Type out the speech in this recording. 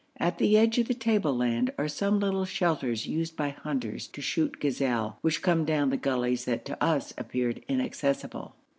At the edge of the tableland are some little shelters used by hunters to shoot gazelle, which come down the gullies that to us appeared, inaccessible.